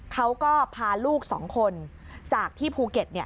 เขาก็พาลูกสองคนจากที่ภูเก็ต